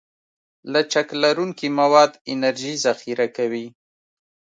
لچک لرونکي مواد انرژي ذخیره کوي.